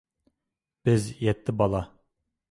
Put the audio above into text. بىز يەتتە بالا